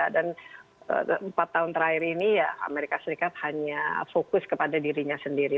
dan empat tahun terakhir ini ya amerika serikat hanya fokus kepada dirinya sendiri